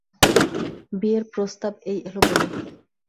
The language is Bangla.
বিয়ের প্রস্তাব এই এলো বলে।